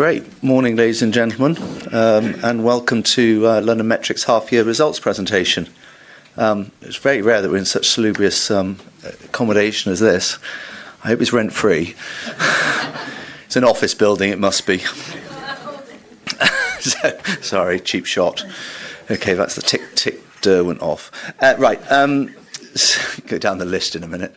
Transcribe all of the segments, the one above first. Great. Morning, ladies and gentlemen, and welcome to LondonMetric's half-year results presentation. It's very rare that we're in such salubrious accommodation as this. I hope it's rent-free. It's an office building, it must be. Sorry, cheap shot. Okay, that's the tick, tick, der went off. Right, go down the list in a minute.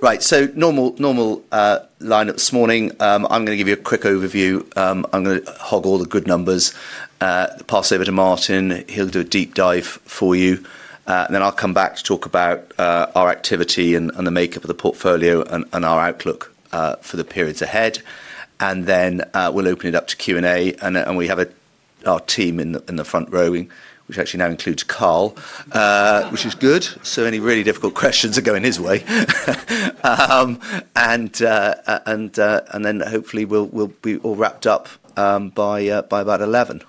Right, so normal lineup this morning. I'm going to give you a quick overview. I'm going to hog all the good numbers, pass over to Martin. He'll do a deep dive for you, and then I'll come back to talk about our activity and the makeup of the portfolio and our outlook for the periods ahead. Then we'll open it up to Q&A, and we have our team in the front rowing, which actually now includes Carl, which is good. Any really difficult questions are going his way. Hopefully we'll wrap up by about 11:00.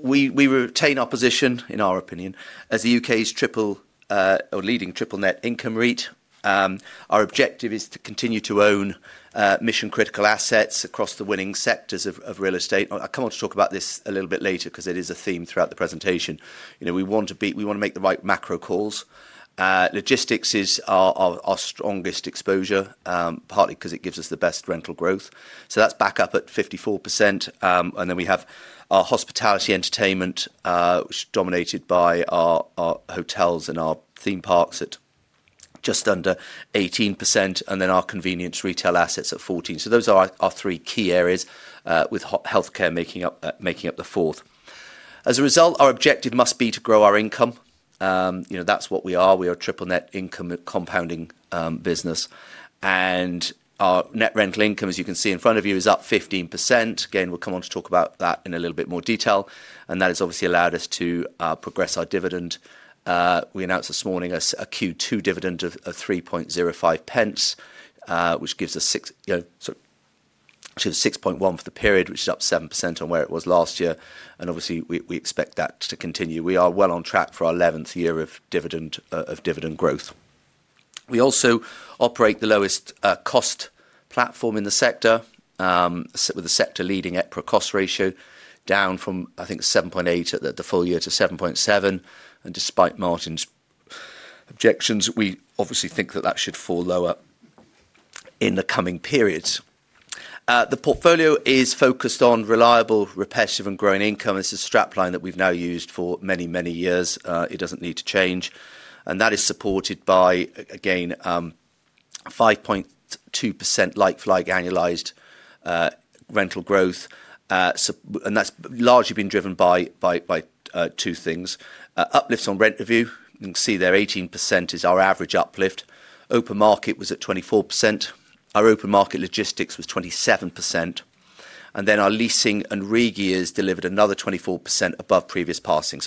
We retain our position, in our opinion, as the U.K.'s leading triple-net income REIT. Our objective is to continue to own mission-critical assets across the winning sectors of real estate. I'll come on to talk about this a little bit later because it is a theme throughout the presentation. We want to make the right macro calls. Logistics is our strongest exposure, partly because it gives us the best rental growth. That is back up at 54%. We have our hospitality entertainment, which is dominated by our hotels and our theme parks at just under 18%, and our convenience retail assets at 14%. Those are our three key areas, with healthcare making up the fourth. As a result, our objective must be to grow our income. That is what we are. We are a triple-net income compounding business. Our net rental income, as you can see in front of you, is up 15%. We will come on to talk about that in a little bit more detail. That has obviously allowed us to progress our dividend. We announced this morning a Q2 dividend of 0.0305, which gives us actually 6.1% for the period, which is up 7% on where it was last year. We expect that to continue. We are well on track for our 11th year of dividend growth. We also operate the lowest cost platform in the sector, with a sector-leading EPRA cost ratio down from, I think, 7.8 at the full year to 7.7. Despite Martin's objections, we obviously think that that should fall lower in the coming periods. The portfolio is focused on reliable, repetitive, and growing income. This is a strap line that we've now used for many, many years. It doesn't need to change. That is supported by, again, 5.2% like-for-like annualized rental growth. That is largely been driven by two things: uplifts on rent review. You can see there 18% is our average uplift. Open market was at 24%. Our open market logistics was 27%. Our leasing and re-gears delivered another 24% above previous passing.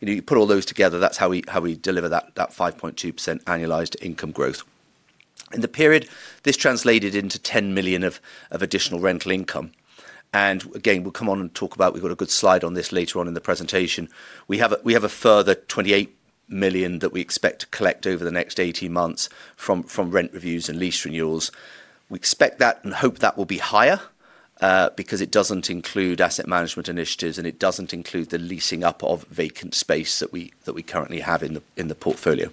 You put all those together, that is how we deliver that 5.2% annualized income growth. In the period, this translated into 10 million of additional rental income. Again, we'll come on and talk about—we've got a good slide on this later on in the presentation. We have a further 28 million that we expect to collect over the next 18 months from rent reviews and lease renewals. We expect that and hope that will be higher because it does not include asset management initiatives and it does not include the leasing up of vacant space that we currently have in the portfolio.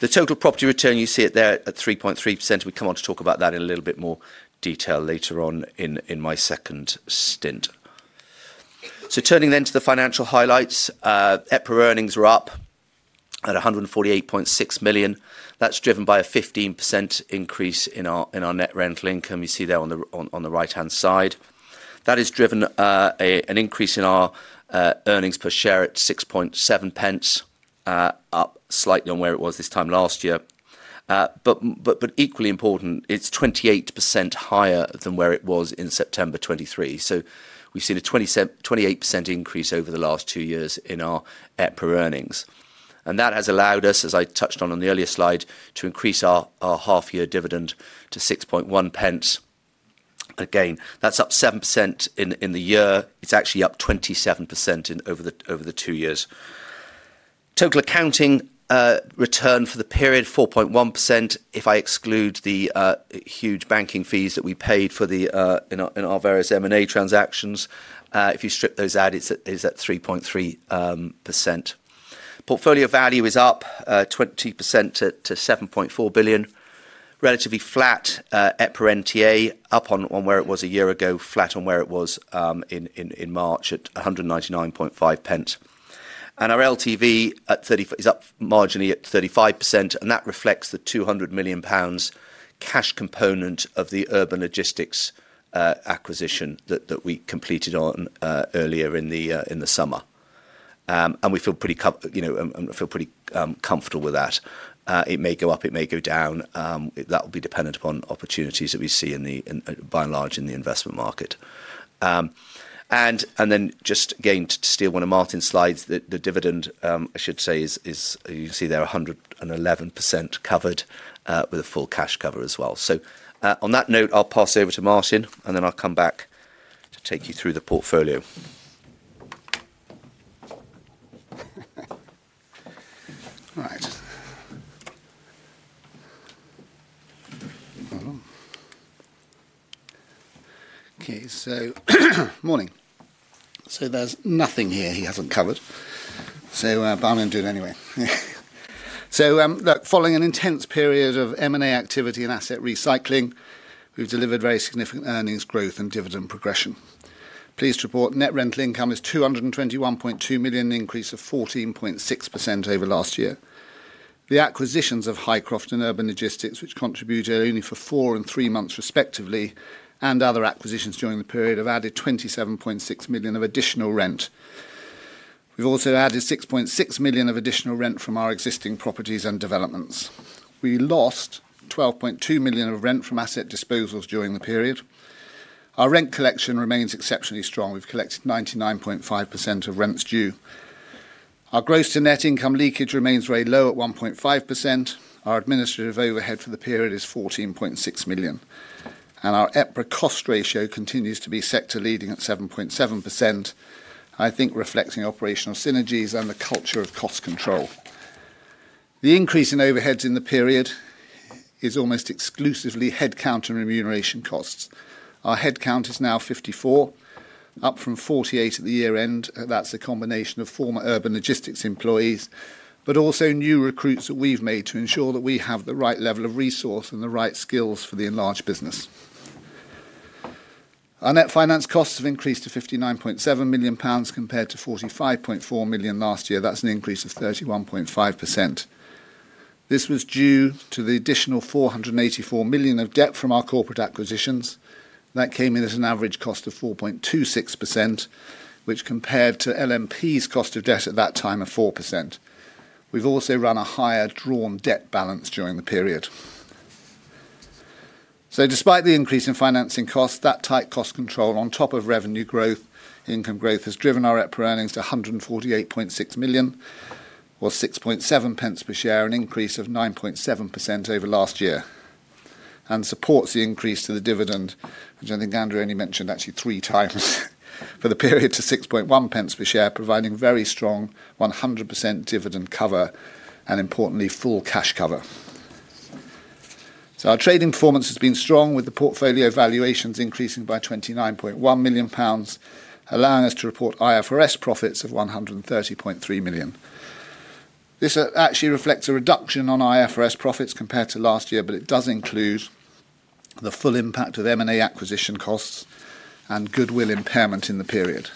The total property return you see there at 3.3%, we come on to talk about that in a little bit more detail later on in my second stint. Turning then to the financial highlights, EPRA earnings were up at 148.6 million. That is driven by a 15% increase in our net rental income. You see there on the right-hand side. That has driven an increase in our earnings per share at 0.067, up slightly on where it was this time last year. Equally important, it is 28% higher than where it was in September 2023. We have seen a 28% increase over the last two years in our EPRA earnings. That has allowed us, as I touched on on the earlier slide, to increase our half-year dividend to 0.061. Again, that's up 7% in the year. It's actually up 27% over the two years. Total accounting return for the period, 4.1%, if I exclude the huge banking fees that we paid for in our various M&A transactions. If you strip those out, it's at 3.3%. Portfolio value is up 20% to 7.4 billion. Relatively flat EPRA NTA, up on where it was a year ago, flat on where it was in March at 1.995. Our LTV is up marginally at 35%, and that reflects the 200 million pounds cash component of the Urban Logistics REIT acquisition that we completed earlier in the summer. We feel pretty comfortable with that. It may go up, it may go down. That will be dependent upon opportunities that we see by and large in the investment market. Just, again, to steal one of Martin's slides, the dividend, I should say, you can see there 111% covered with a full cash cover as well. On that note, I'll pass over to Martin, and then I'll come back to take you through the portfolio. All right. Okay, morning. There's nothing here he hasn't covered. I'm going to do it anyway. Look, following an intense period of M&A activity and asset recycling, we've delivered very significant earnings growth and dividend progression. Pleased to report, net rental income is 221.2 million, an increase of 14.6% over last year. The acquisitions of Highcroft and Urban Logistics, which contributed only for four and three months respectively, and other acquisitions during the period have added 27.6 million of additional rent. We've also added 6.6 million of additional rent from our existing properties and developments. We lost 12.2 million of rent from asset disposals during the period. Our rent collection remains exceptionally strong. We've collected 99.5% of rents due. Our gross to net income leakage remains very low at 1.5%. Our administrative overhead for the period is 14.6 million. Our EPRA cost ratio continues to be sector-leading at 7.7%, I think reflecting operational synergies and the culture of cost control. The increase in overheads in the period is almost exclusively headcount and remuneration costs. Our headcount is now 54, up from 48 at the year end. That is a combination of former Urban Logistics employees, but also new recruits that we have made to ensure that we have the right level of resource and the right skills for the enlarged business. Our net finance costs have increased to GBP 59.7 million compared to GBP 45.4 million last year. That is an increase of 31.5%. This was due to the additional 484 million of debt from our corporate acquisitions. That came in at an average cost of 4.26%, which compared to LMP's cost of debt at that time of 4%. We have also run a higher drawn debt balance during the period. Despite the increase in financing costs, that tight cost control on top of revenue growth, income growth has driven our EPRA earnings to 148.6 million, or 0.067 per share, an increase of 9.7% over last year, and supports the increase to the dividend, which I think Andrew only mentioned actually three times for the period to 0.061 per share, providing very strong 100% dividend cover and importantly, full cash cover. Our trading performance has been strong with the portfolio valuations increasing by 29.1 million pounds, allowing us to report IFRS profits of 130.3 million. This actually reflects a reduction on IFRS profits compared to last year, but it does include the full impact of M&A acquisition costs and goodwill impairment in the period.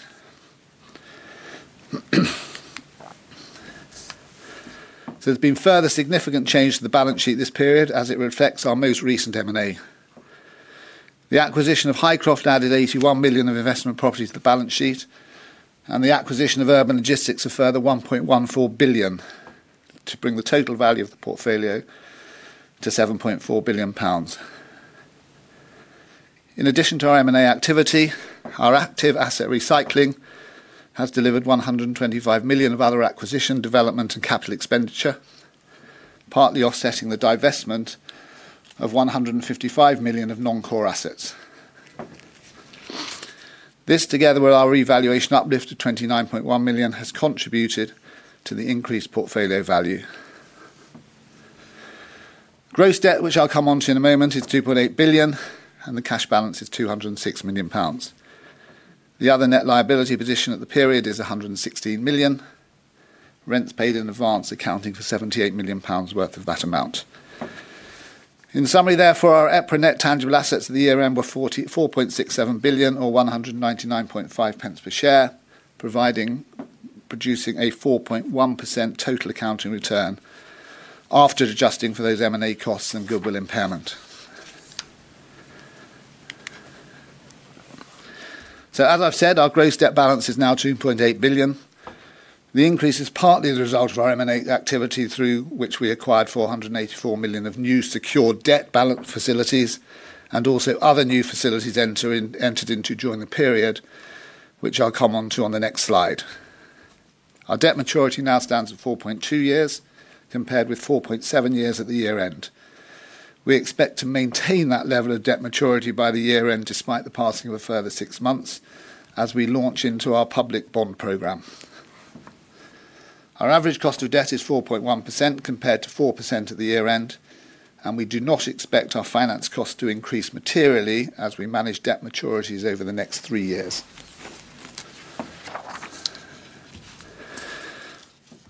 There has been further significant change to the balance sheet this period as it reflects our most recent M&A. The acquisition of Highcroft added 81 million of investment properties to the balance sheet, and the acquisition of Urban Logistics a further 1.14 billion to bring the total value of the portfolio to 7.4 billion pounds. In addition to our M&A activity, our active asset recycling has delivered 125 million of other acquisition, development, and capital expenditure, partly offsetting the divestment of 155 million of non-core assets. This together with our revaluation uplift of 29.1 million has contributed to the increased portfolio value. Gross debt, which I'll come on to in a moment, is 2.8 billion, and the cash balance is 206 million pounds. The other net liability position at the period is 116 million. Rents paid in advance accounting for 78 million pounds worth of that amount. In summary, therefore, our EPRA net tangible assets at the year-end were 4.67 billion, or 1.995 per share, producing a 4.1% total accounting return after adjusting for those M&A costs and goodwill impairment. As I have said, our gross debt balance is now 2.8 billion. The increase is partly the result of our M&A activity through which we acquired 484 million of new secured debt balance facilities and also other new facilities entered into during the period, which I will come on to on the next slide. Our debt maturity now stands at 4.2 years compared with 4.7 years at the year-end. We expect to maintain that level of debt maturity by the year-end despite the passing of a further six months as we launch into our public bond program. Our average cost of debt is 4.1% compared to 4% at the year-end, and we do not expect our finance costs to increase materially as we manage debt maturities over the next three years.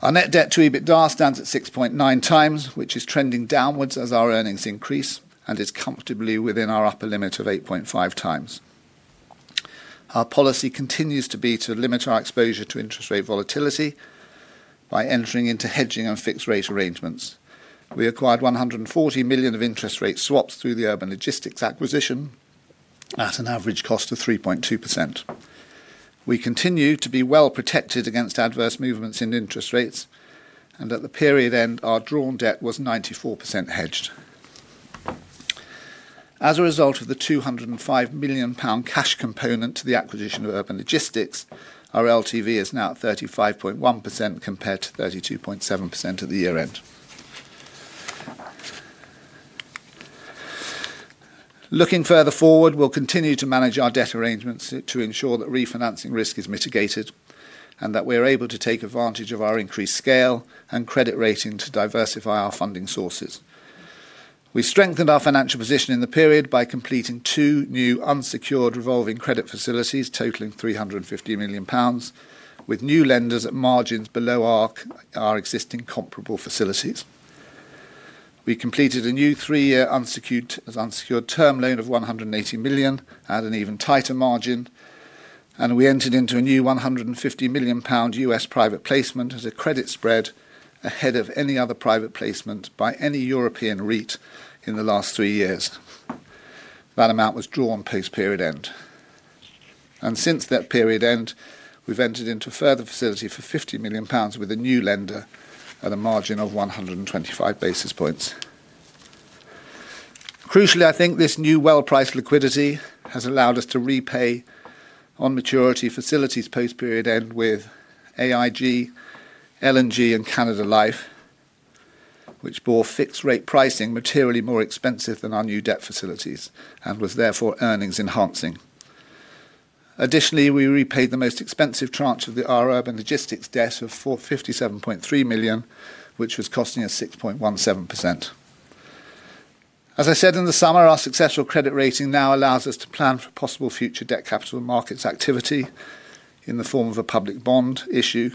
Our net debt to EBITDA stands at 6.9x, which is trending downwards as our earnings increase and is comfortably within our upper limit of 8.5x. Our policy continues to be to limit our exposure to interest rate volatility by entering into hedging and fixed rate arrangements. We acquired 140 million of interest rate swaps through the Urban Logistics acquisition at an average cost of 3.2%. We continue to be well protected against adverse movements in interest rates, and at the period end, our drawn debt was 94% hedged. As a result of the 205 million pound cash component to the acquisition of Urban Logistics, our LTV is now at 35.1% compared to 32.7% at the year-end. Looking further forward, we'll continue to manage our debt arrangements to ensure that refinancing risk is mitigated and that we're able to take advantage of our increased scale and credit rating to diversify our funding sources. We strengthened our financial position in the period by completing two new unsecured revolving credit facilities totaling 350 million pounds, with new lenders at margins below our existing comparable facilities. We completed a new three-year unsecured term loan of 180 million at an even tighter margin, and we entered into a new 150 million pound U.S. private placement as a credit spread ahead of any other private placement by any European REIT in the last three years. That amount was drawn post-period end. Since that period end, we've entered into further facility for 50 million pounds with a new lender at a margin of 125 basis points. Crucially, I think this new well-priced liquidity has allowed us to repay on maturity facilities post-period end with AIG, ING, and Canada Life, which bore fixed rate pricing materially more expensive than our new debt facilities and was therefore earnings enhancing. Additionally, we repaid the most expensive tranche of our Urban Logistics debt of 57.3 million, which was costing us 6.17%. As I said in the summer, our successful credit rating now allows us to plan for possible future debt capital markets activity in the form of a public bond issue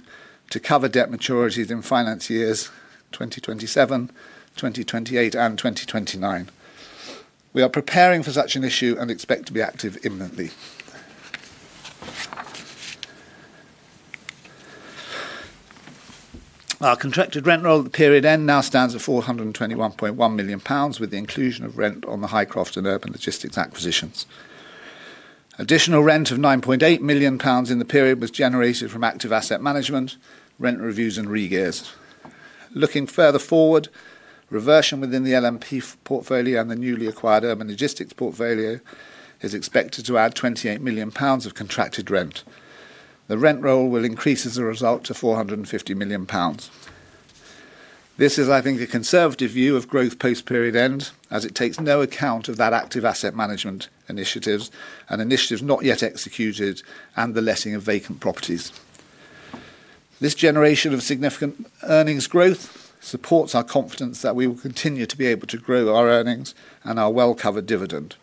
to cover debt maturities in finance years 2027, 2028, and 2029. We are preparing for such an issue and expect to be active imminently. Our contracted rent roll at the period end now stands at 421.1 million pounds with the inclusion of rent on the Highcroft and Urban Logistics acquisitions. Additional rent of 9.8 million pounds in the period was generated from active asset management, rent reviews, and re-gears. Looking further forward, reversion within the LMP portfolio and the newly acquired Urban Logistics portfolio is expected to add 28 million pounds of contracted rent. The rent roll will increase as a result to 450 million pounds. This is, I think, a conservative view of growth post-period end as it takes no account of that active asset management initiatives and initiatives not yet executed and the letting of vacant properties. This generation of significant earnings growth supports our confidence that we will continue to be able to grow our earnings and our well-covered dividend.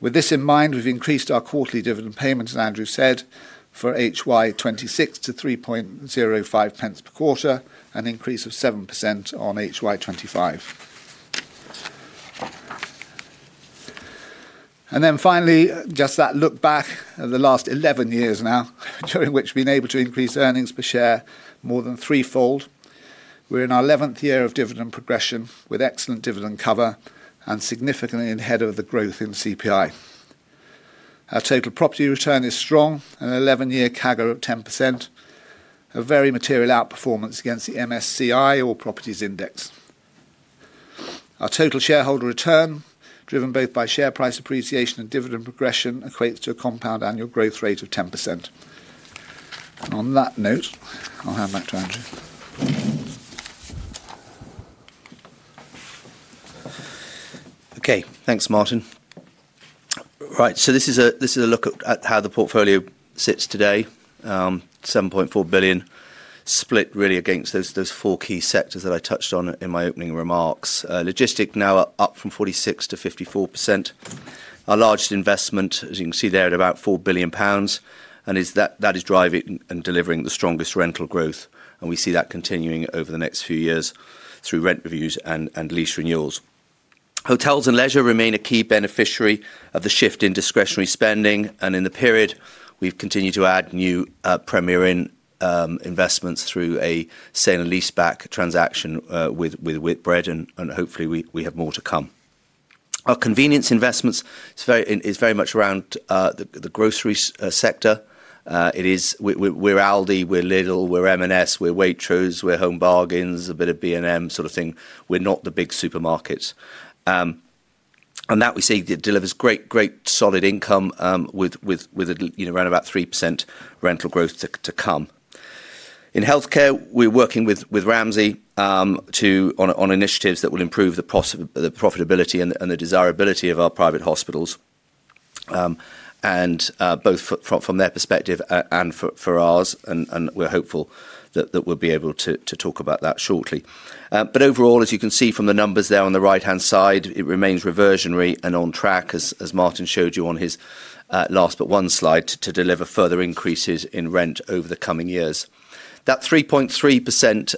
With this in mind, we've increased our quarterly dividend payments, as Andrew said, for HY 2026 to 0.0305 per quarter, an increase of 7% on HY 2025. Finally, just that look back at the last 11 years now, during which we've been able to increase earnings per share more than threefold. We're in our 11th year of dividend progression with excellent dividend cover and significantly ahead of the growth in CPI. Our total property return is strong, an 11-year CAGR of 10%, a very material outperformance against the MSCI All Properties Index. Our total shareholder return, driven both by share price appreciation and dividend progression, equates to a compound annual growth rate of 10%. On that note, I'll hand back to Andrew. Okay, thanks, Martin. Right, this is a look at how the portfolio sits today, 7.4 billion split really against those four key sectors that I touched on in my opening remarks. Logistics now up from 46% to 54%. Our largest investment, as you can see there, at about 4 billion pounds, and that is driving and delivering the strongest rental growth. We see that continuing over the next few years through rent reviews and lease renewals. Hotels and leisure remain a key beneficiary of the shift in discretionary spending, and in the period, we have continued to add new Premier Inn investments through a sale and leaseback transaction with Whitbread, and hopefully, we have more to come. Our convenience investments is very much around the grocery sector. It is, we are Aldi, we are Lidl, we are M&S, we are Waitrose, we are Home Bargains, a bit of B&M sort of thing. We are not the big supermarkets. That we see delivers great, great solid income with around about 3% rental growth to come. In healthcare, we're working with Ramsay on initiatives that will improve the profitability and the desirability of our private hospitals, both from their perspective and for ours, and we're hopeful that we'll be able to talk about that shortly. Overall, as you can see from the numbers there on the right-hand side, it remains reversionary and on track, as Martin showed you on his last but one slide, to deliver further increases in rent over the coming years. That 3.3%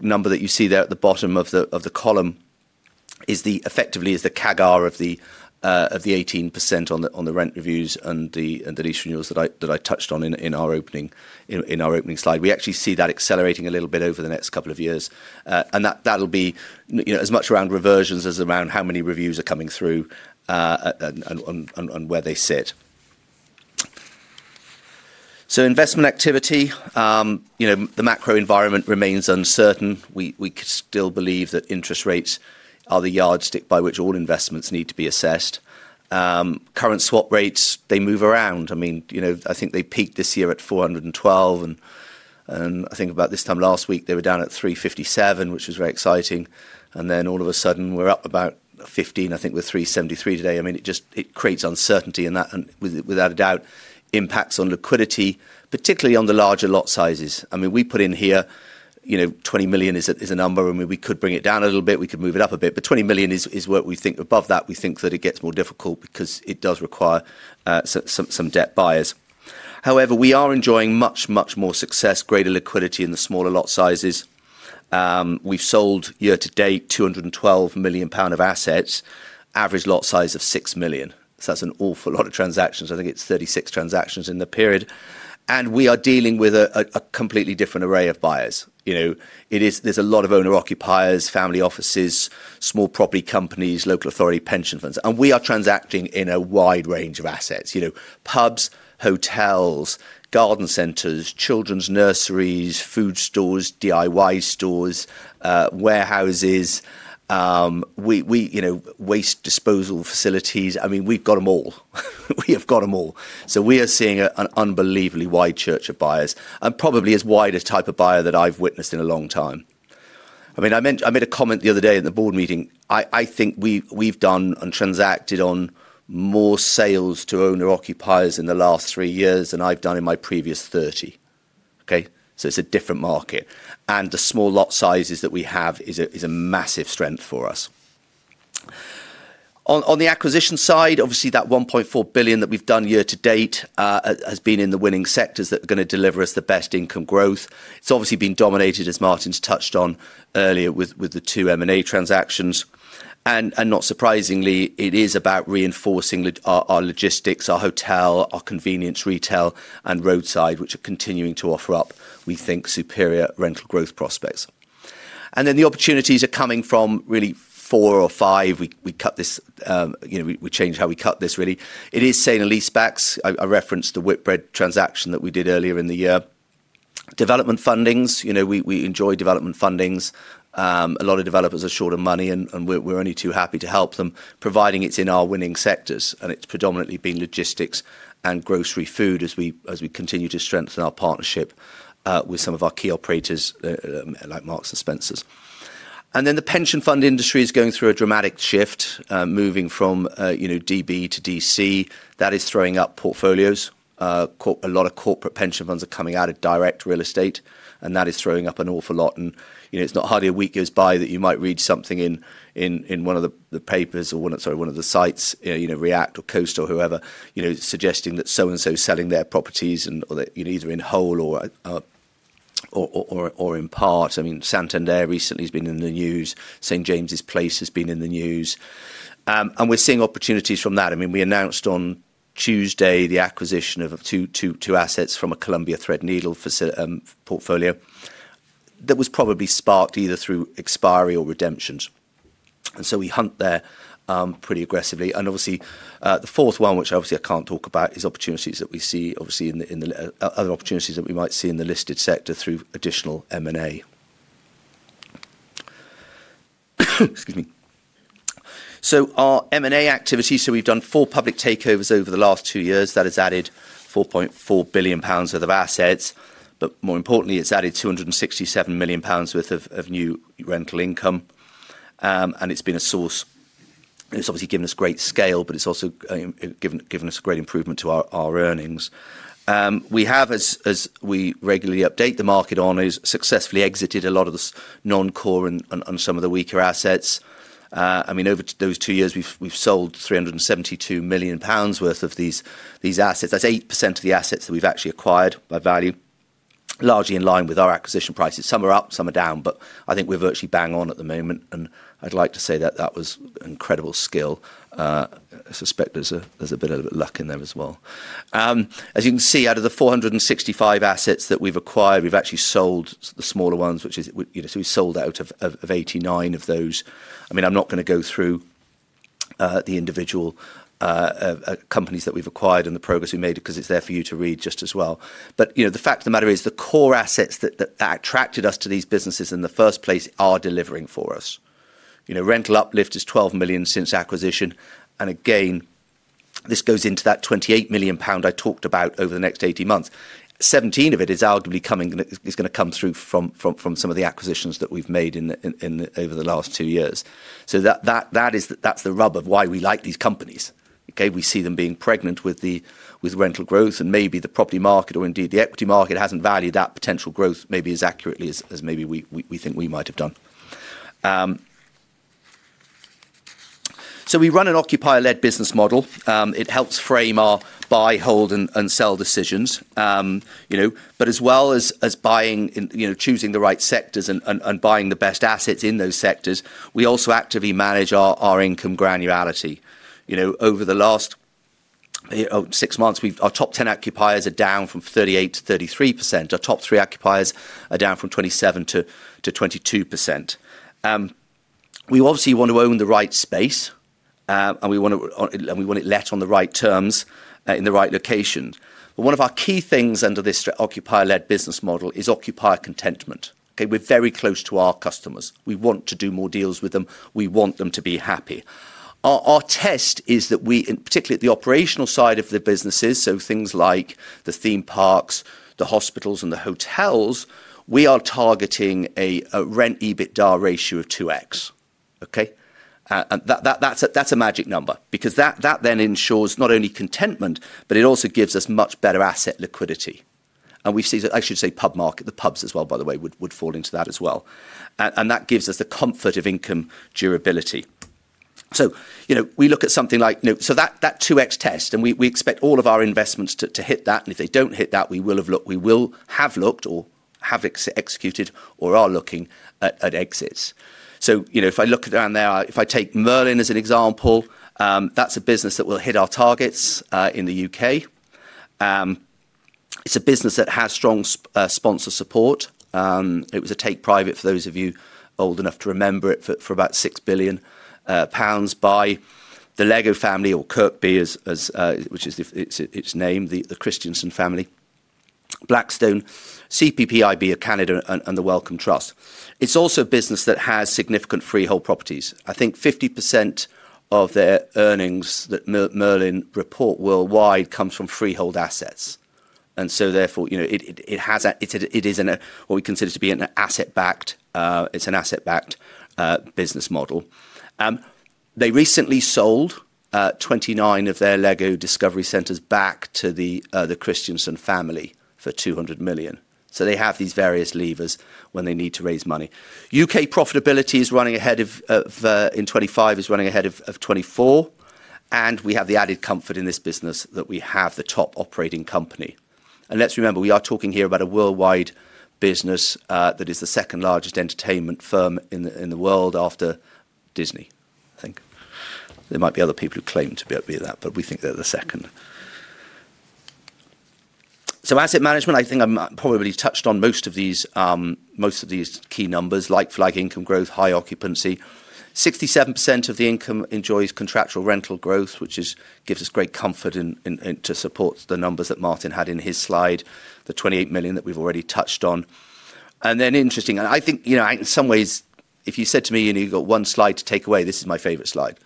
number that you see there at the bottom of the column is effectively the CAGR of the 18% on the rent reviews and the lease renewals that I touched on in our opening slide. We actually see that accelerating a little bit over the next couple of years, and that'll be as much around reversions as around how many reviews are coming through and where they sit. Investment activity, the macro environment remains uncertain. We still believe that interest rates are the yardstick by which all investments need to be assessed. Current swap rates, they move around. I mean, I think they peaked this year at 412, and I think about this time last week, they were down at 357, which was very exciting. All of a sudden, we're up about 15, I think we're 373 today. I mean, it creates uncertainty and that, without a doubt, impacts on liquidity, particularly on the larger lot sizes. I mean, we put in here, 20 million is a number, and we could bring it down a little bit, we could move it up a bit, but 20 million is what we think. Above that, we think that it gets more difficult because it does require some debt buyers. However, we are enjoying much, much more success, greater liquidity in the smaller lot sizes. We have sold year-to-date 212 million pound of assets, average lot size of 6 million. That is an awful lot of transactions. I think it is 36 transactions in the period. We are dealing with a completely different array of buyers. There is a lot of owner-occupiers, family offices, small property companies, local authority pension funds, and we are transacting in a wide range of assets, pubs, hotels, garden centers, children's nurseries, food stores, DIY stores, warehouses, waste disposal facilities. I mean, we have got them all. We have got them all. We are seeing an unbelievably wide church of buyers and probably as wide a type of buyer that I've witnessed in a long time. I mean, I made a comment the other day at the board meeting. I think we've done and transacted on more sales to owner-occupiers in the last three years than I've done in my previous 30. Okay? It is a different market. The small lot sizes that we have is a massive strength for us. On the acquisition side, obviously, that 1.4 billion that we've done year-to-date has been in the winning sectors that are going to deliver us the best income growth. It has obviously been dominated, as Martin's touched on earlier, with the two M&A transactions. Not surprisingly, it is about reinforcing our logistics, our hotel, our convenience retail, and roadside, which are continuing to offer up, we think, superior rental growth prospects. The opportunities are coming from really four or five. We cut this. We changed how we cut this, really. It is sale and lease-backs. I referenced the Whitbread transaction that we did earlier in the year. Development fundings. We enjoy development fundings. A lot of developers are short of money, and we're only too happy to help them, providing it is in our winning sectors, and it has predominantly been logistics and grocery food as we continue to strengthen our partnership with some of our key operators like Marks and Spencer's. The pension fund industry is going through a dramatic shift, moving from DB to DC. That is throwing up portfolios. A lot of corporate pension funds are coming out of direct real estate, and that is throwing up an awful lot. It's not hardly a week goes by that you might read something in one of the papers or, sorry, one of the sites, React or CoStar or whoever, suggesting that so-and-so is selling their properties either in whole or in part. I mean, Santander recently has been in the news. St. James's Place has been in the news. We're seeing opportunities from that. I mean, we announced on Tuesday the acquisition of two assets from a Columbia Threadneedle portfolio that was probably sparked either through expiry or redemptions. We hunt there pretty aggressively. Obviously, the fourth one, which obviously I can't talk about, is opportunities that we see, obviously, in the other opportunities that we might see in the listed sector through additional M&A. Excuse me. Our M&A activity, we have done four public takeovers over the last two years. That has added 4.4 billion pounds worth of assets, but more importantly, it has added 267 million pounds worth of new rental income. It has been a source. It has obviously given us great scale, but it has also given us great improvement to our earnings. We have, as we regularly update the market on, successfully exited a lot of the non-core and some of the weaker assets. I mean, over those two years, we have sold 372 million pounds worth of these assets. That is 8% of the assets that we have actually acquired by value, largely in line with our acquisition prices. Some are up, some are down, but I think we are virtually bang on at the moment. I would like to say that that was incredible skill. I suspect there is a bit of luck in there as well. As you can see, out of the 465 assets that we've acquired, we've actually sold the smaller ones, which is, we sold out of 89 of those. I mean, I'm not going to go through the individual companies that we've acquired and the progress we made because it's there for you to read just as well. The fact of the matter is the core assets that attracted us to these businesses in the first place are delivering for us. Rental uplift is 12 million since acquisition. Again, this goes into that 28 million pound I talked about over the next 18 months. Seventeen of it is arguably coming, is going to come through from some of the acquisitions that we've made over the last two years. That's the rub of why we like these companies. Okay? We see them being pregnant with rental growth, and maybe the property market or indeed the equity market has not valued that potential growth maybe as accurately as maybe we think we might have done. We run an occupier-led business model. It helps frame our buy, hold, and sell decisions. As well as choosing the right sectors and buying the best assets in those sectors, we also actively manage our income granularity. Over the last six months, our top 10 occupiers are down from 38% to 33%. Our top three occupiers are down from 27% to 22%. We obviously want to own the right space, and we want it let on the right terms in the right location. One of our key things under this occupier-led business model is occupier contentment. Okay? We are very close to our customers. We want to do more deals with them. We want them to be happy. Our test is that we, particularly at the operational side of the businesses, so things like the theme parks, the hospitals, and the hotels, we are targeting a rent-EBITDA ratio of 2x. Okay? That is a magic number because that then ensures not only contentment, but it also gives us much better asset liquidity. I should say pub market, the pubs as well, by the way, would fall into that as well. That gives us the comfort of income durability. We look at something like that 2x test, and we expect all of our investments to hit that. If they do not hit that, we will have looked or have executed or are looking at exits. If I look around there, if I take Merlin as an example, that is a business that will hit our targets in the U.K. It's a business that has strong sponsor support. It was a take-private for those of you old enough to remember it for about 6 billion pounds by the Lego family or Kirkbi, which is its name, the Christiansen family, Blackstone, CPPIB of Canada, and the Wellcome Trust. It's also a business that has significant freehold properties. I think 50% of their earnings that Merlin report worldwide comes from freehold assets. It is what we consider to be an asset-backed. It's an asset-backed business model. They recently sold 29 of their Lego Discovery Centers back to the Christiansen family for 200 million. They have these various levers when they need to raise money. U.K. profitability is running ahead of in 2025, is running ahead of 2024. We have the added comfort in this business that we have the top operating company. Let's remember, we are talking here about a worldwide business that is the second largest entertainment firm in the world after Disney. I think there might be other people who claim to be that, but we think they are the second. Asset management, I think I have probably touched on most of these key numbers, like flag income growth, high occupancy. 67% of the income enjoys contractual rental growth, which gives us great comfort to support the numbers that Martin had in his slide, the 28 million that we have already touched on. Interesting, and I think in some ways, if you said to me, "You have got one slide to take away," this is my favorite slide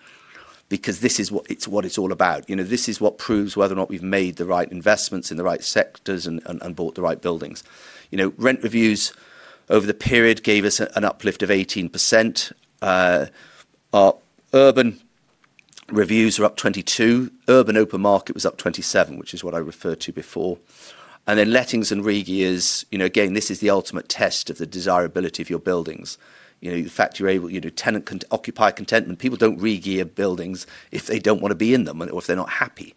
because it is what it is all about. This is what proves whether or not we have made the right investments in the right sectors and bought the right buildings. Rent reviews over the period gave us an uplift of 18%. Urban reviews are up 22%. Urban open market was up 27%, which is what I referred to before. Lettings and regears, again, this is the ultimate test of the desirability of your buildings. The fact you're able to occupy contentment. People don't regear buildings if they don't want to be in them or if they're not happy.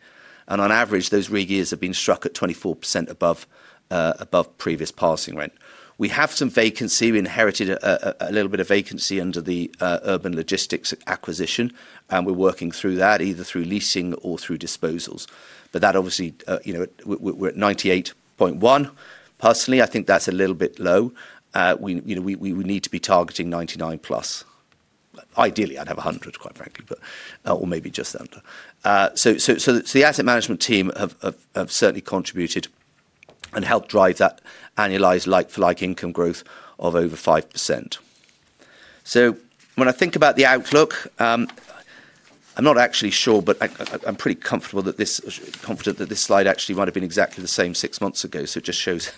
On average, those regears have been struck at 24% above previous passing rent. We have some vacancy. We inherited a little bit of vacancy under the Urban Logistics acquisition, and we're working through that, either through leasing or through disposals. That obviously, we're at 98.1%. Personally, I think that's a little bit low. We need to be targeting 99% plus. Ideally, I'd have 100%, quite frankly, or maybe just under. The asset management team have certainly contributed and helped drive that annualized like-for-like income growth of over 5%. When I think about the outlook, I'm not actually sure, but I'm pretty comfortable that this slide actually might have been exactly the same six months ago. It just shows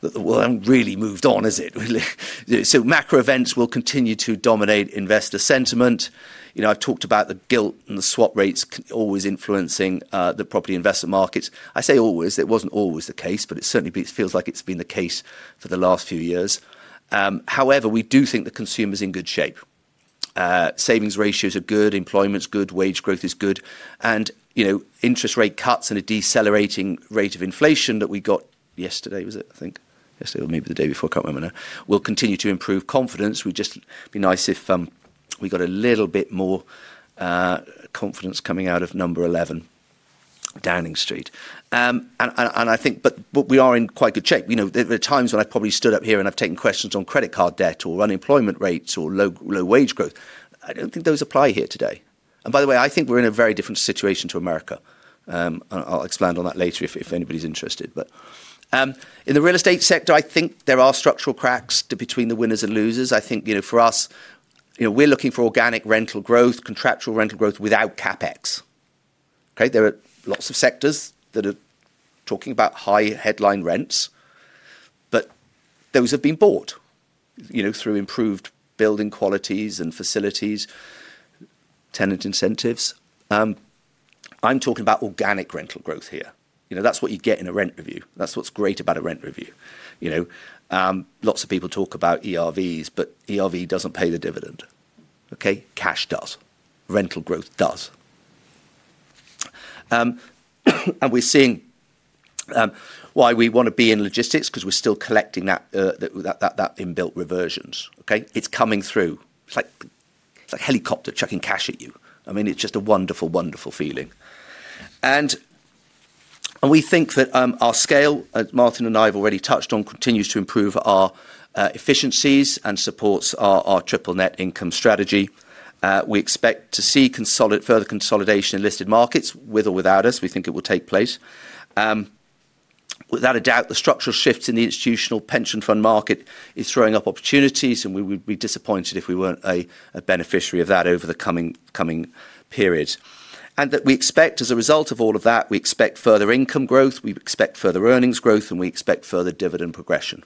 that the world hasn't really moved on, has it? Macro events will continue to dominate investor sentiment. I've talked about the gilt and the swap rates always influencing the property investment markets. I say always. It wasn't always the case, but it certainly feels like it's been the case for the last few years. However, we do think the consumer's in good shape. Savings ratios are good. Employment's good. Wage growth is good. Interest rate cuts and a decelerating rate of inflation that we got yesterday, was it, I think, yesterday or maybe the day before, I cannot remember now, will continue to improve confidence. It would just be nice if we got a little bit more confidence coming out of Number 11, Downing Street. We are in quite good shape. There are times when I have probably stood up here and I have taken questions on credit card debt or unemployment rates or low wage growth. I do not think those apply here today. By the way, I think we are in a very different situation to America. I will expand on that later if anybody is interested. In the real estate sector, I think there are structural cracks between the winners and losers. I think for us, we are looking for organic rental growth, contractual rental growth without CapEx. Okay? There are lots of sectors that are talking about high headline rents, but those have been bought through improved building qualities and facilities, tenant incentives. I'm talking about organic rental growth here. That's what you get in a rent review. That's what's great about a rent review. Lots of people talk about ERVs, but ERV doesn't pay the dividend. Okay? Cash does. Rental growth does. We are seeing why we want to be in logistics because we are still collecting that inbuilt reversions. Okay? It's coming through. It's like a helicopter chucking cash at you. I mean, it's just a wonderful, wonderful feeling. We think that our scale, as Martin and I have already touched on, continues to improve our efficiencies and supports our triple net income strategy. We expect to see further consolidation in listed markets with or without us. We think it will take place. Without a doubt, the structural shifts in the institutional pension fund market are throwing up opportunities, and we would be disappointed if we were not a beneficiary of that over the coming period. That we expect, as a result of all of that, we expect further income growth, we expect further earnings growth, and we expect further dividend progression.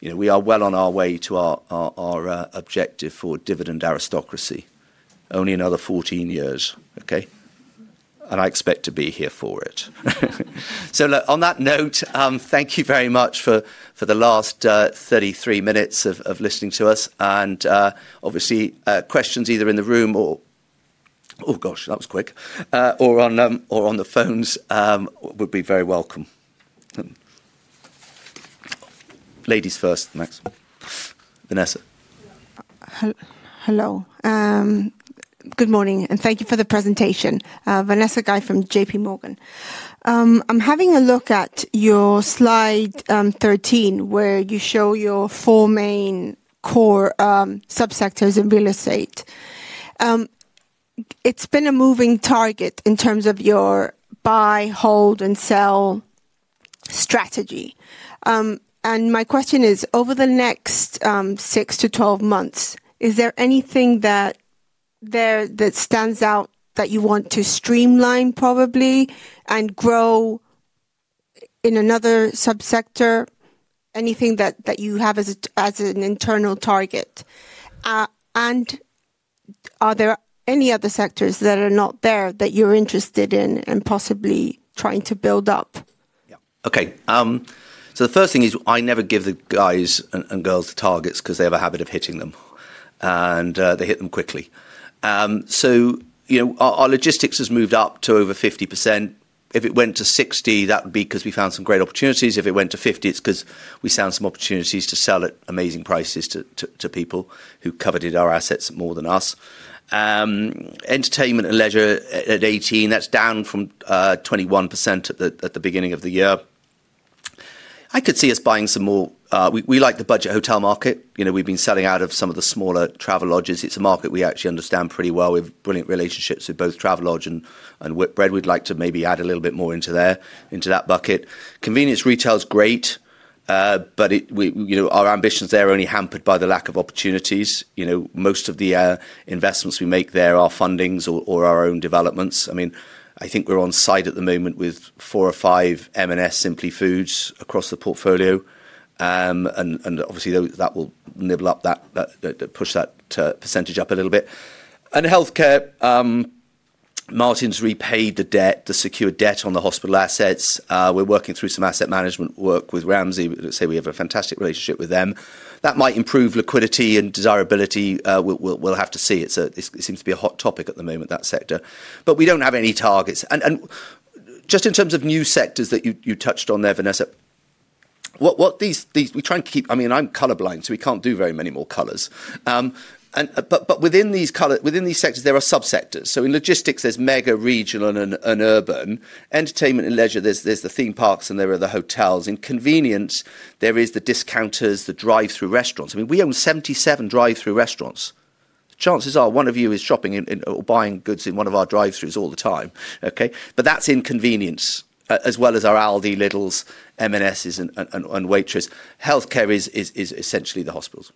We are well on our way to our objective for dividend aristocracy, only another 14 years. I expect to be here for it. On that note, thank you very much for the last 33 minutes of listening to us. Obviously, questions either in the room or, oh gosh, that was quick, or on the phones would be very welcome. Ladies first, maximum. Vanessa. Hello. Good morning, and thank you for the presentation. Vanessa Guy from JPMorgan. I'm having a look at your slide 13, where you show your four main core subsectors in real estate. It's been a moving target in terms of your buy, hold, and sell strategy. My question is, over the next six to 12 months, is there anything that stands out that you want to streamline probably and grow in another subsector? Anything that you have as an internal target? Are there any other sectors that are not there that you're interested in and possibly trying to build up? Yeah. Okay. The first thing is I never give the guys and girls the targets because they have a habit of hitting them, and they hit them quickly. Our logistics has moved up to over 50%. If it went to 60%, that would be because we found some great opportunities. If it went to 50, it's because we found some opportunities to sell at amazing prices to people who coveted our assets more than us. Entertainment and leisure at 18%. That's down from 21% at the beginning of the year. I could see us buying some more. We like the budget hotel market. We've been selling out of some of the smaller Travelodge properties. It's a market we actually understand pretty well. We have brilliant relationships with both Travelodge and Whitbread. We'd like to maybe add a little bit more into that bucket. Convenience retail is great, but our ambitions there are only hampered by the lack of opportunities. Most of the investments we make there are fundings or our own developments. I mean, I think we're on site at the moment with four or five M&S Simply Foods across the portfolio. Obviously, that will nibble up, push that percentage up a little bit. Healthcare. Martin's repaid the secure debt on the hospital assets. We're working through some asset management work with Ramsay. Let's say we have a fantastic relationship with them. That might improve liquidity and desirability. We'll have to see. It seems to be a hot topic at the moment, that sector. We don't have any targets. Just in terms of new sectors that you touched on there, Vanessa, we try and keep, I mean, I'm colorblind, so we can't do very many more colors. Within these sectors, there are subsectors. In logistics, there's mega, regional, and urban. Entertainment and leisure, there's the theme parks, and there are the hotels. In convenience, there are the discounters, the drive-through restaurants. I mean, we own 77 drive-through restaurants. Chances are one of you is shopping or buying goods in one of our drive-throughs all the time. Okay? That is in convenience, as well as our Aldi, Lidls, M&Ss, and Waitrose. Healthcare is essentially the hospitals.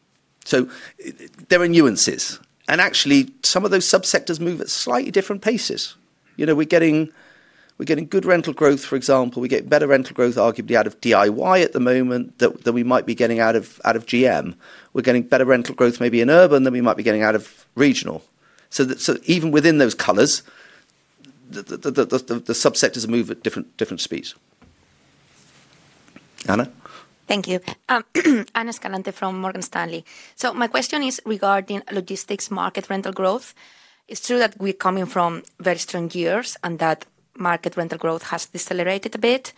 There are nuances. Actually, some of those subsectors move at slightly different paces. We are getting good rental growth, for example. We get better rental growth, arguably, out of DIY at the moment than we might be getting out of GM. We are getting better rental growth maybe in urban than we might be getting out of regional. Even within those colors, the subsectors move at different speeds. Ana? Thank you. Ana Escalante from Morgan Stanley. My question is regarding logistics market rental growth. It is true that we are coming from very strong years and that market rental growth has decelerated a bit.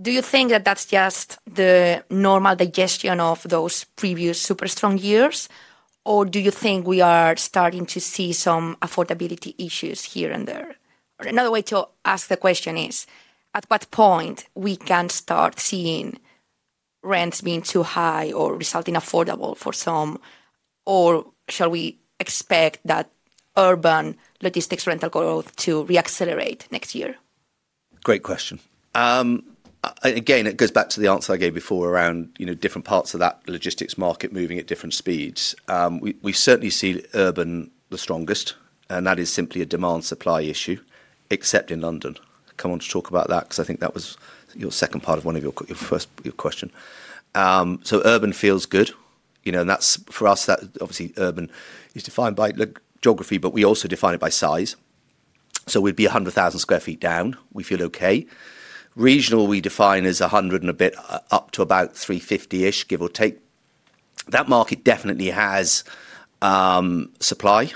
Do you think that that's just the normal digestion of those previous super strong years, or do you think we are starting to see some affordability issues here and there? Another way to ask the question is, at what point we can start seeing rents being too high or resulting affordable for some, or shall we expect that urban logistics rental growth to reaccelerate next year? Great question. Again, it goes back to the answer I gave before around different parts of that logistics market moving at different speeds. We certainly see urban the strongest, and that is simply a demand-supply issue, except in London. I will come on to talk about that because I think that was your second part of one of your first questions. Urban feels good. For us, obviously, urban is defined by geography, but we also define it by size. We'd be 100,000 sq ft down. We feel okay. Regional we define as 100 and a bit up to about 350-ish, give or take. That market definitely has supply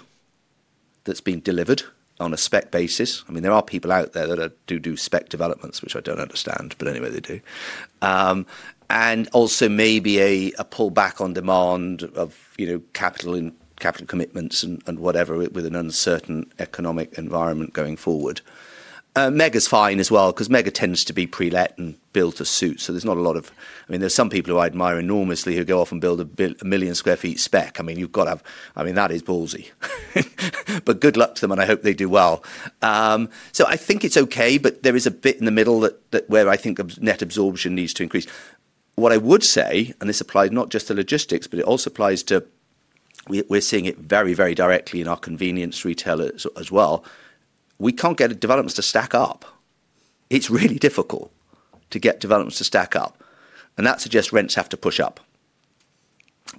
that's been delivered on a spec basis. I mean, there are people out there that do spec developments, which I don't understand, but anyway, they do. Also maybe a pullback on demand of capital commitments and whatever with an uncertain economic environment going forward. Mega's fine as well because mega tends to be pre-let and built to suit. There's not a lot of, I mean, there's some people who I admire enormously who go off and build a million sq ft spec. I mean, you've got to, I mean, that is ballsy. Good luck to them, and I hope they do well. I think it's okay, but there is a bit in the middle where I think net absorption needs to increase. What I would say, and this applies not just to logistics, but it also applies to, we're seeing it very, very directly in our convenience retailers as well. We can't get developments to stack up. It's really difficult to get developments to stack up. That suggests rents have to push up.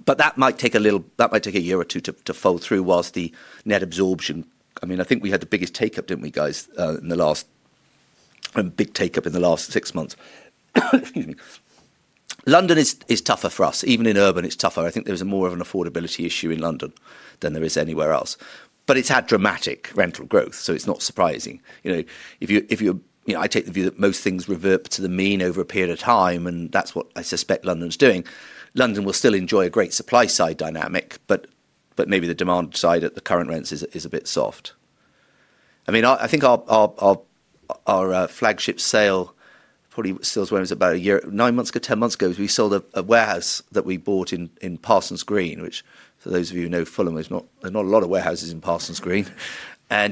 That might take a little, that might take a year or two to fold through whilst the net absorption, I mean, I think we had the biggest take-up, didn't we, guys, in the last, big take-up in the last six months. Excuse me. London is tougher for us. Even in urban, it's tougher. I think there's more of an affordability issue in London than there is anywhere else. It has had dramatic rental growth, so it is not surprising. I take the view that most things revert to the mean over a period of time, and that is what I suspect London is doing. London will still enjoy a great supply-side dynamic, but maybe the demand side at the current rents is a bit soft. I mean, I think our flagship sale, probably sales were about a year, nine months ago, ten months ago, we sold a warehouse that we bought in Parsons Green, which for those of you who know Fulham, there is not a lot of warehouses in Parsons Green.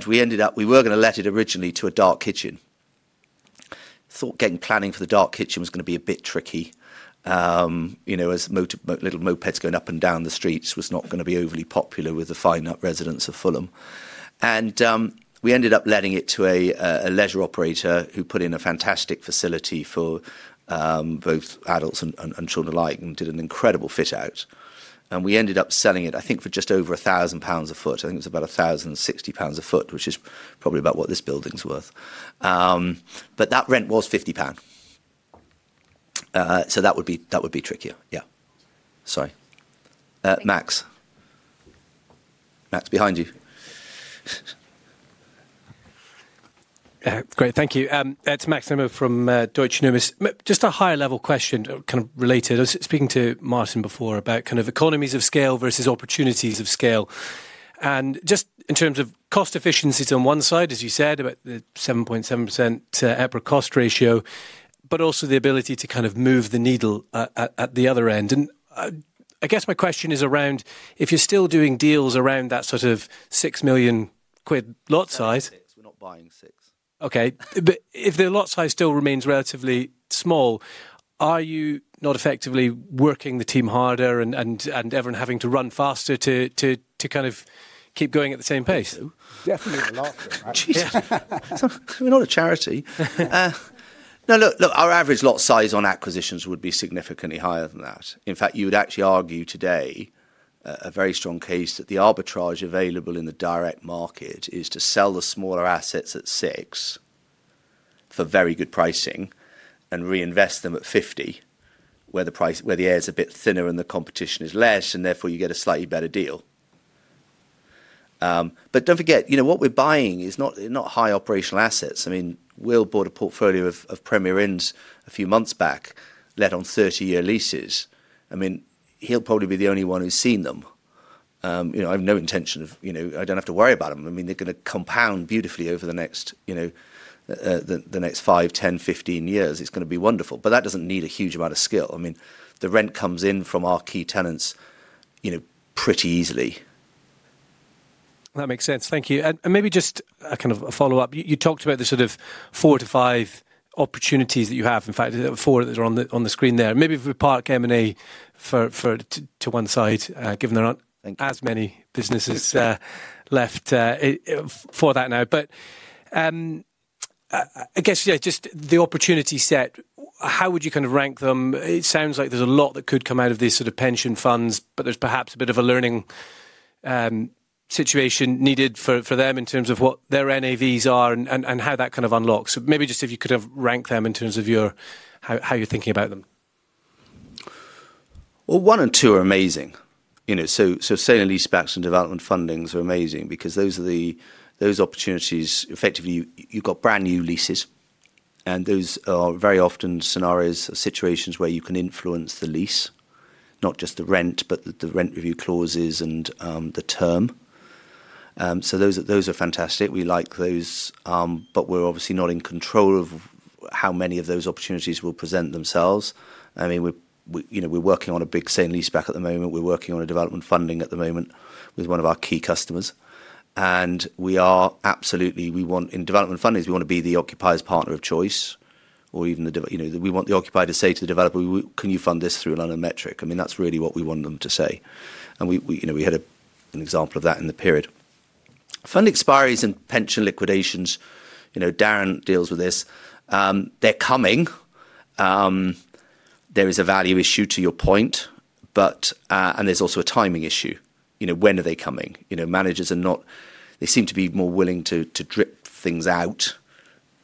We ended up, we were going to let it originally to a dark kitchen. Thought getting planning for the dark kitchen was going to be a bit tricky, as little mopeds going up and down the streets was not going to be overly popular with the finer residents of Fulham. We ended up letting it to a leisure operator who put in a fantastic facility for both adults and children alike and did an incredible fit-out. We ended up selling it, I think, for just over 1,000 pounds a foot. I think it was about 1,060 pounds a foot, which is probably about what this building's worth. That rent was 50 pound. That would be trickier. Yeah. Sorry. Max. Max behind you. Great. Thank you. It's Max Nimmo from Deutsche Numis. Just a higher-level question, kind of related. I was speaking to Martin before about kind of economies of scale versus opportunities of scale. Just in terms of cost efficiencies on one side, as you said, about the 7.7% EPRA cost ratio, but also the ability to kind of move the needle at the other end. I guess my question is around if you're still doing deals around that sort of 6 million quid lot size. We're not buying six. Okay. If the lot size still remains relatively small, are you not effectively working the team harder and everyone having to run faster to kind of keep going at the same pace? Definitely a lot of it. Jesus. We're not a charity. No, look, our average lot size on acquisitions would be significantly higher than that. In fact, you would actually argue today a very strong case that the arbitrage available in the direct market is to sell the smaller assets at 6 for very good pricing and reinvest them at 50, where the air is a bit thinner and the competition is less, and therefore you get a slightly better deal. Do not forget, what we're buying is not high operational assets. I mean, Will bought a portfolio of Premier Inns a few months back, let on 30-year leases. I mean, he'll probably be the only one who's seen them. I have no intention of, I don't have to worry about them. I mean, they're going to compound beautifully over the next 5, 10, 15 years. It's going to be wonderful. That doesn't need a huge amount of skill. I mean, the rent comes in from our key tenants pretty easily. That makes sense. Thank you. Maybe just kind of a follow-up. You talked about the sort of four to five opportunities that you have. In fact, four that are on the screen there. Maybe if we park M&A to one side, given there are not as many businesses left for that now. I guess just the opportunity set, how would you kind of rank them? It sounds like there is a lot that could come out of these sort of pension funds, but there is perhaps a bit of a learning situation needed for them in terms of what their NAVs are and how that kind of unlocks. Maybe just if you could rank them in terms of how you are thinking about them. One and two are amazing. Saying lease-backs and development fundings are amazing because those are the opportunities. Effectively, you've got brand new leases, and those are very often scenarios or situations where you can influence the lease, not just the rent, but the rent review clauses and the term. Those are fantastic. We like those, but we're obviously not in control of how many of those opportunities will present themselves. I mean, we're working on a big sale and leaseback at the moment. We're working on a development funding at the moment with one of our key customers. We are absolutely, in development fundings, we want to be the occupier's partner of choice, or even the, we want the occupier to say to the developer, "Can you fund this through LondonMetric?" I mean, that's really what we want them to say. We had an example of that in the period. Fund expiries and pension liquidations, Darren deals with this. They're coming. There is a value issue, to your point, and there's also a timing issue. When are they coming? Managers are not, they seem to be more willing to drip things out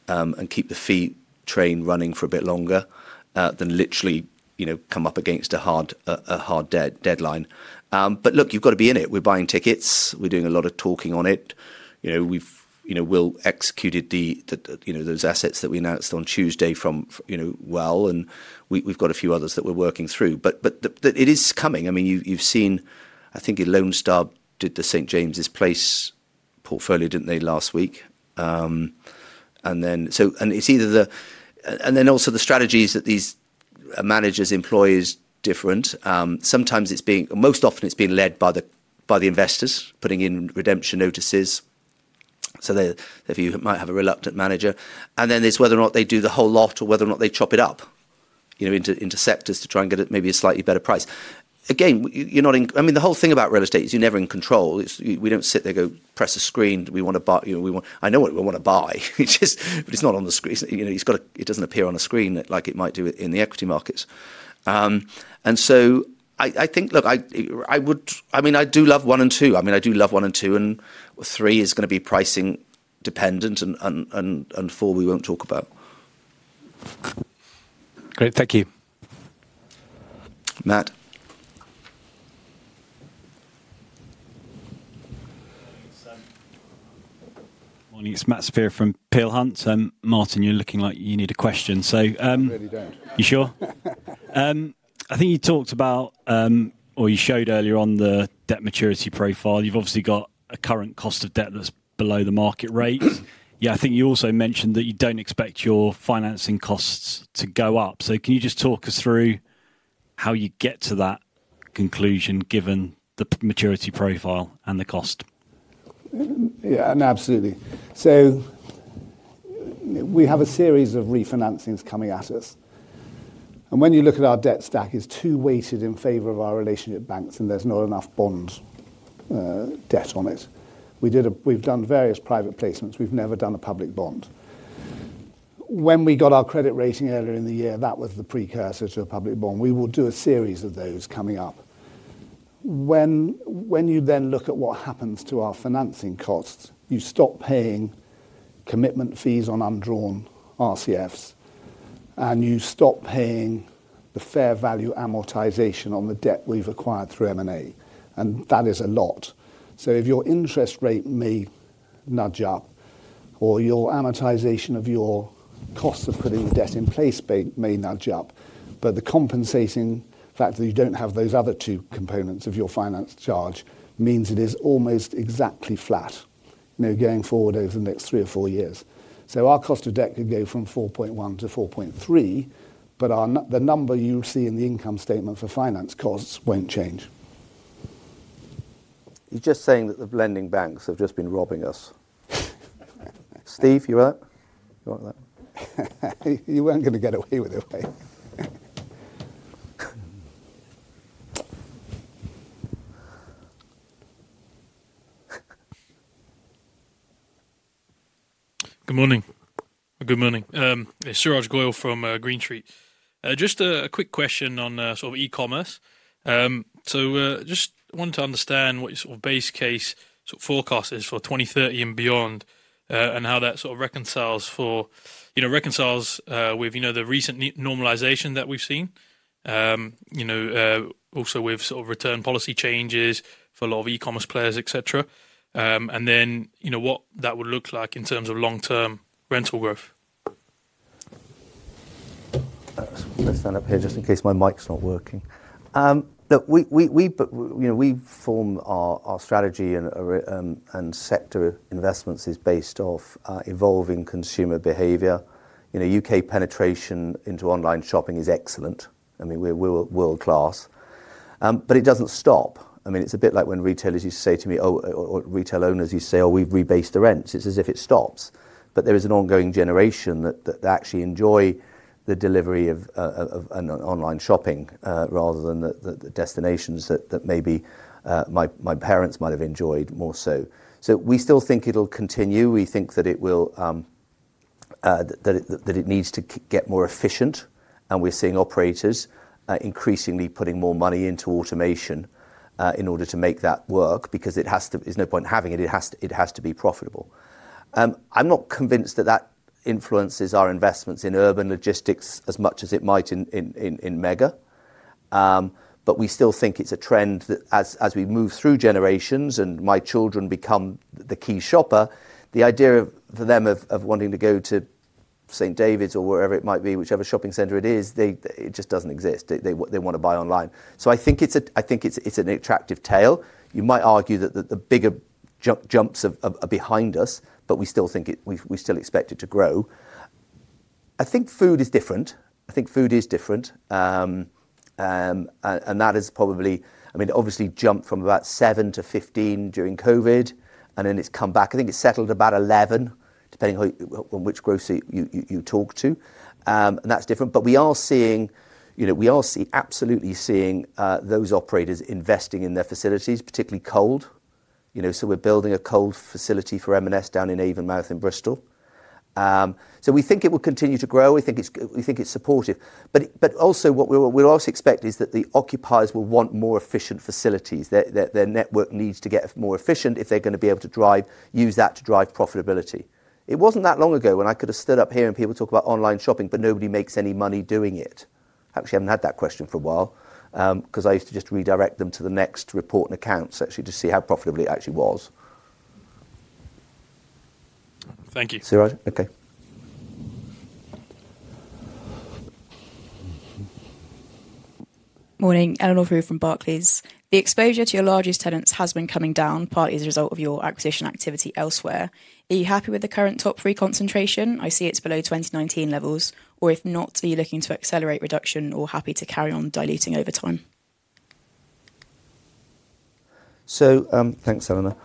and keep the feet train running for a bit longer than literally come up against a hard deadline. Look, you've got to be in it. We're buying tickets. We're doing a lot of talking on it. We've executed those assets that we announced on Tuesday from well, and we've got a few others that we're working through. It is coming. I mean, you've seen, I think Lone Star did the St. James's Place portfolio, didn't they, last week? It's either the, and then also the strategies that these managers employ is different. Sometimes it's being, most often it's been led by the investors putting in redemption notices. You might have a reluctant manager. There is whether or not they do the whole lot or whether or not they chop it up into sectors to try and get maybe a slightly better price. Again, you are not in, I mean, the whole thing about real estate is you are never in control. We do not sit there and go, "Press a screen. We want to buy." I know what we want to buy, but it is not on the screen. It does not appear on a screen like it might do in the equity markets. I think, look, I would, I mean, I do love one and two. I mean, I do love one and two, and three is going to be pricing dependent, and four we will not talk about. Great. Thank you. Matt. Good morning. It's Matt Saperia from Peel Hunt. Martin, you are looking like you need a question. I really don't. You sure? I think you talked about, or you showed earlier on the debt maturity profile. You've obviously got a current cost of debt that's below the market rate. Yeah, I think you also mentioned that you don't expect your financing costs to go up. Can you just talk us through how you get to that conclusion given the maturity profile and the cost? Yeah, absolutely. We have a series of refinancings coming at us. When you look at our debt stack, it's too weighted in favor of our relationship banks, and there's not enough bond debt on it. We've done various private placements. We've never done a public bond. When we got our credit rating earlier in the year, that was the precursor to a public bond. We will do a series of those coming up. When you then look at what happens to our financing costs, you stop paying commitment fees on undrawn RCFs, and you stop paying the fair value amortization on the debt we've acquired through M&A. That is a lot. If your interest rate may nudge up, or your amortization of your cost of putting the debt in place may nudge up, the compensating fact that you do not have those other two components of your finance charge means it is almost exactly flat going forward over the next three or four years. Our cost of debt could go from 4.1% to 4.3%, but the number you see in the income statement for finance costs will not change. He's just saying that the lending banks have just been robbing us. Steve, you want that? You were not going to get away with it, were you? Good morning. Good morning. It's Suraj Goyal from Green Street. Just a quick question on sort of e-commerce. Just wanted to understand what your sort of base case forecast is for 2030 and beyond, and how that sort of reconciles with the recent normalization that we've seen, also with sort of return policy changes for a lot of e-commerce players, etc. What that would look like in terms of long-term rental growth. Let's stand up here just in case my mic's not working. Look, we form our strategy and sector investments based off evolving consumer behavior. U.K. penetration into online shopping is excellent. I mean, we're world-class. It doesn't stop. I mean, it's a bit like when retailers used to say to me, or retail owners used to say, "Oh, we've rebased the rents." It's as if it stops. There is an ongoing generation that actually enjoy the delivery of online shopping rather than the destinations that maybe my parents might have enjoyed more so. We still think it will continue. We think that it needs to get more efficient, and we are seeing operators increasingly putting more money into automation in order to make that work because it has to, there is no point in having it. It has to be profitable. I am not convinced that that influences our investments in urban logistics as much as it might in mega. We still think it is a trend that as we move through generations and my children become the key shopper, the idea for them of wanting to go to St. David's or wherever it might be, whichever shopping center it is, it just does not exist. They want to buy online. I think it is an attractive tale. You might argue that the bigger jumps are behind us, but we still think it, we still expect it to grow. I think food is different. I think food is different. That has probably, I mean, obviously jumped from about seven to 15 during COVID, and then it has come back. I think it has settled about 11, depending on which grocery you talk to. That is different. We are seeing, we are absolutely seeing those operators investing in their facilities, particularly cold. We are building a cold facility for M&S down in Avonmouth in Bristol. We think it will continue to grow. We think it is supportive. What we also expect is that the occupiers will want more efficient facilities. Their network needs to get more efficient if they are going to be able to use that to drive profitability. It wasn't that long ago when I could have stood up here and people talk about online shopping, but nobody makes any money doing it. Actually, I haven't had that question for a while because I used to just redirect them to the next report and accounts, actually, to see how profitable it actually was. Thank you. Suraj. Okay. Morning. Eleanor from Barclays. The exposure to your largest tenants has been coming down, partly as a result of your acquisition activity elsewhere. Are you happy with the current top three concentration? I see it's below 2019 levels. If not, are you looking to accelerate reduction or happy to carry on diluting over time? Thank you, Eleanor.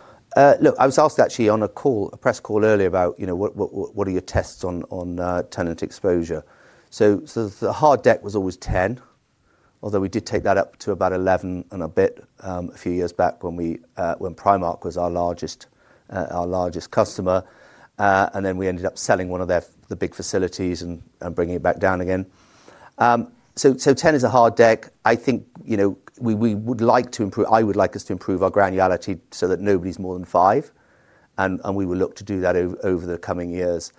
Look, I was asked actually on a call, a press call earlier about what are your tests on tenant exposure. The hard debt was always 10, although we did take that up to about 11 and a bit a few years back when Primark was our largest customer. We ended up selling one of the big facilities and bringing it back down again. Ten is a hard deck. I think we would like to improve, I would like us to improve our granularity so that nobody's more than 5. We will look to do that over the coming years.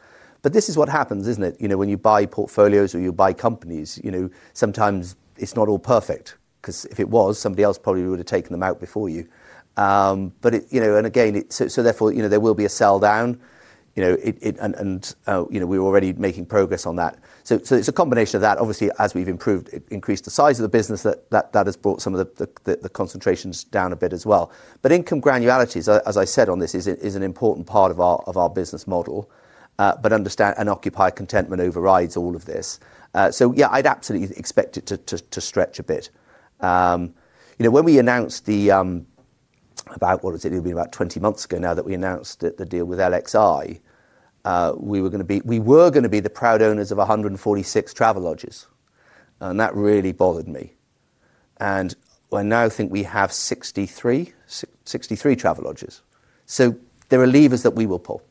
This is what happens, isn't it? When you buy portfolios or you buy companies, sometimes it's not all perfect because if it was, somebody else probably would have taken them out before you. Therefore there will be a sell down, and we're already making progress on that. It is a combination of that. Obviously, as we've improved, increased the size of the business, that has brought some of the concentrations down a bit as well. Income granularity, as I said on this, is an important part of our business model, but understand and occupier contentment overrides all of this. Yeah, I'd absolutely expect it to stretch a bit. When we announced the, about, what was it? It would have been about 20 months ago now that we announced the deal with LXI REIT, we were going to be the proud owners of 146 Travelodge properties. That really bothered me. I now think we have 63 Travelodge properties. There are levers that we will pull.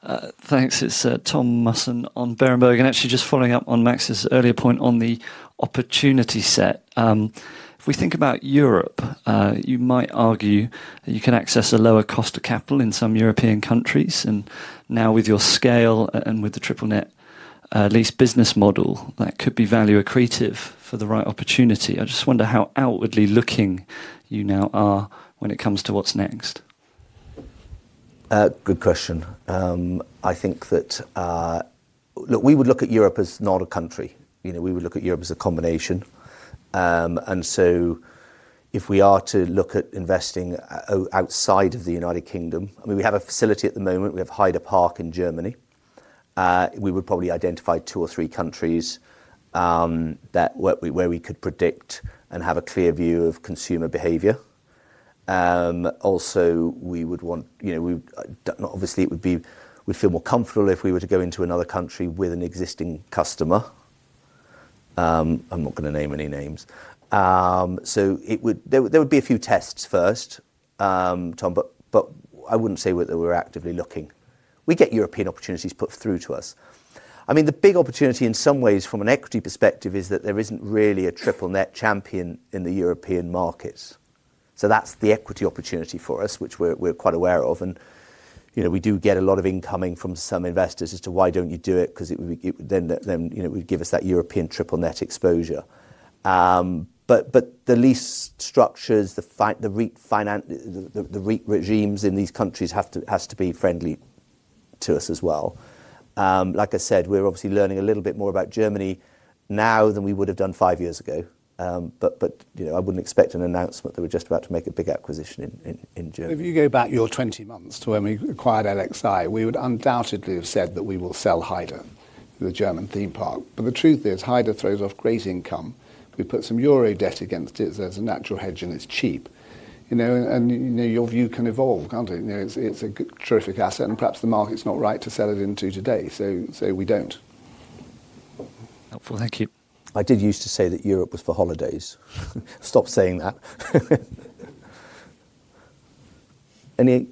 Thanks. Thanks. It's Tom Musson on Berenberg. Actually, just following up on Max's earlier point on the opportunity set. If we think about Europe, you might argue that you can access a lower cost of capital in some European countries. Now with your scale and with the triple net lease business model, that could be value accretive for the right opportunity. I just wonder how outwardly looking you now are when it comes to what's next. Good question. I think that, look, we would look at Europe as not a country. We would look at Europe as a combination. If we are to look at investing outside of the U.K., I mean, we have a facility at the moment. We have Heide Park in Germany. We would probably identify two or three countries where we could predict and have a clear view of consumer behavior. Also, we would want, obviously, it would be, we'd feel more comfortable if we were to go into another country with an existing customer. I'm not going to name any names. There would be a few tests first, Tom, but I wouldn't say that we're actively looking. We get European opportunities put through to us. I mean, the big opportunity in some ways from an equity perspective is that there isn't really a triple net champion in the European markets. That is the equity opportunity for us, which we're quite aware of. We do get a lot of incoming from some investors as to why don't you do it because then it would give us that European triple net exposure. The lease structures, the REIT regimes in these countries have to be friendly to us as well. Like I said, we're obviously learning a little bit more about Germany now than we would have done five years ago. I wouldn't expect an announcement that we're just about to make a big acquisition in Germany. If you go back your 20 months to when we acquired LXi, we would undoubtedly have said that we will sell Heide, the German theme park. The truth is, Heide throws off great income. We put some EUR debt against it as a natural hedge, and it's cheap. Your view can evolve, can't it? It's a terrific asset, and perhaps the market's not right to sell it into today. We don't. Helpful. Thank you. I did used to say that Europe was for holidays. Stop saying that. Any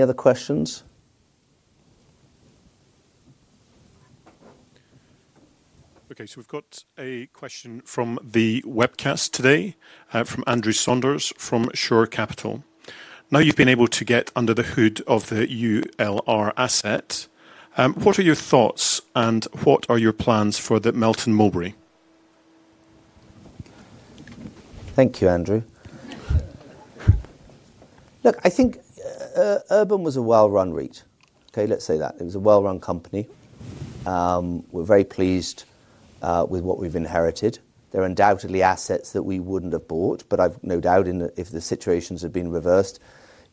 other questions? Okay. We've got a question from the webcast today from Andrew Saunders from Shore Capital. Now you've been able to get under the hood of the ULR asset. What are your thoughts and what are your plans for the Melton Mulberry? Thank you, Andrew. Look, I think Urban was a well-run REIT. Okay, let's say that. It was a well-run company. We're very pleased with what we've inherited. There are undoubtedly assets that we wouldn't have bought, but I've no doubt if the situations had been reversed,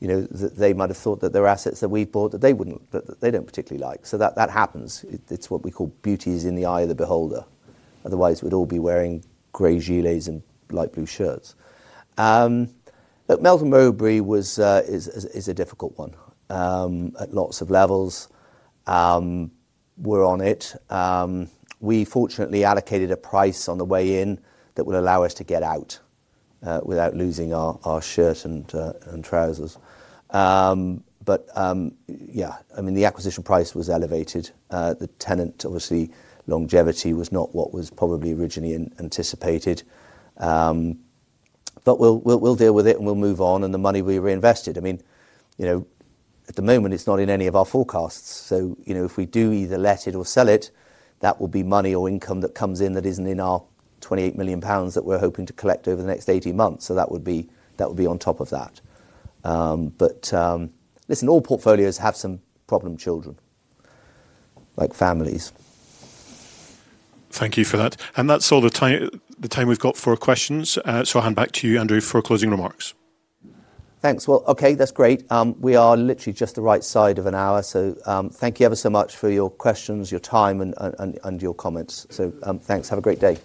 they might have thought that there are assets that we've bought that they don't particularly like. That happens. It's what we call beauty is in the eye of the beholder. Otherwise, we'd all be wearing gray gilets and light blue shirts. Look, Melton Mulberry is a difficult one at lots of levels. We're on it. We fortunately allocated a price on the way in that will allow us to get out without losing our shirt and trousers. Yeah, I mean, the acquisition price was elevated. The tenant, obviously, longevity was not what was probably originally anticipated. We'll deal with it, and we'll move on, and the money will be reinvested. I mean, at the moment, it's not in any of our forecasts. If we do either let it or sell it, that will be money or income that comes in that isn't in our 28 million pounds that we're hoping to collect over the next 18 months. That would be on top of that. All portfolios have some problem children, like families. Thank you for that. That's all the time we've got for questions. I'll hand back to you, Andrew, for closing remarks. Thanks. That's great. We are literally just the right side of an hour. Thank you ever so much for your questions, your time, and your comments. Thanks. Have a great day.